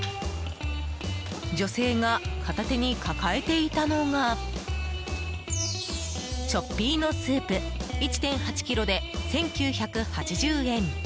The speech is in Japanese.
女性が片手に抱えていたのがチョッピーノスープ１．８ｋｇで１９８０円。